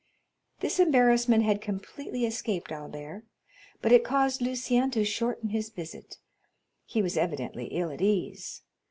This embarrassment had completely escaped Albert, but it caused Lucien to shorten his visit; he was evidently ill at ease.